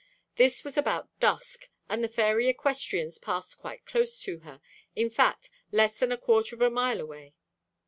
This was about dusk, and the fairy equestrians passed quite close to her, in fact less than a quarter of a mile away.